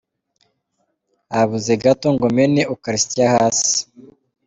Habuze gato ngo mene Ukaristiya hasi.